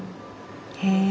へえ！